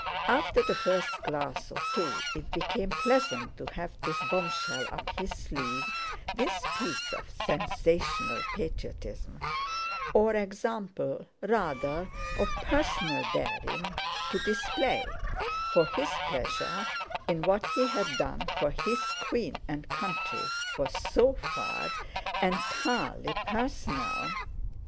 After the first glass or two it became pleasant to have this bombshell up his sleeve, this piece of sensational patriotism, or example, rather, of personal daring, to display—for his pleasure in what he had done for his Queen and Country was so far entirely personal.